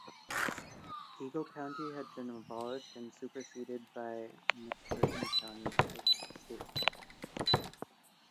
Eagle County had been abolished and superseded by McCurtain County at statehood.